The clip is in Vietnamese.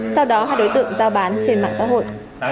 sau đó hai đối tượng giao bán trên mạng xã hội